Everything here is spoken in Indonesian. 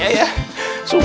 sakitnya tuh dimana